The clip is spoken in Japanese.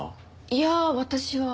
いや私は。